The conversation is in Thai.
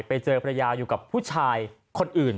ไปเจอภรรยาอยู่กับผู้ชายคนอื่น